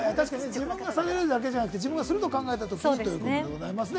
自分がされるだけじゃなくて、するのを考えたときにということですね。